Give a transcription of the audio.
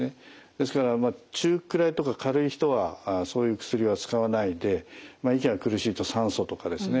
ですから中くらいとか軽い人はそういう薬は使わないで息が苦しいと酸素とかですね